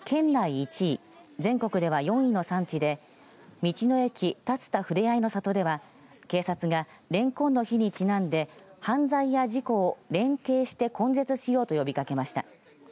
１位全国では４位の産地で道の駅立田ふれあいの里では警察がレンコンの日にちなんで犯罪や事故を連携して根絶しようと呼びかけました。